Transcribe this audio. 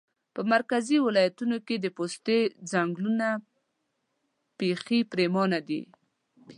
په مرکزي ولایتونو کې د پوستې ځنګلونه پیخي پرېمانه دي